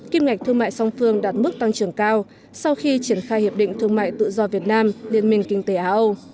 kim ngạch thương mại song phương đạt mức tăng trưởng cao sau khi triển khai hiệp định thương mại tự do việt nam liên minh kinh tế á âu